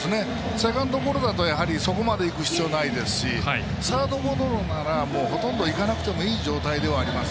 セカンドゴロだとそこまでいく必要ないですしサードゴロならほとんど行かなくてもいい状態ではあります。